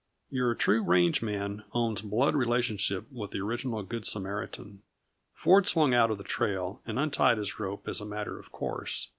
Your true range man owns blood relationship with the original Good Samaritan; Ford swung out of the trail and untied his rope as a matter of course.